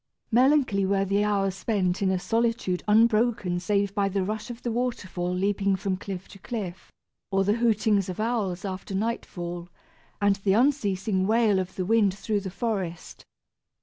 Melancholy were the hours spent in a solitude unbroken save by the rush of the waterfall leaping from cliff to cliff, or the hootings of owls after nightfall, and the unceasing wail of the wind through the forest.